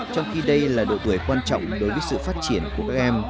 trong khi đây là độ tuổi quan trọng đối với sự phát triển của các em